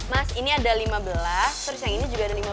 mas ini ada lima belas terus yang ini juga ada lima belas